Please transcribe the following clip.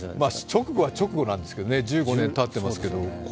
直後は直後なんですよね、１５年たってますけどね。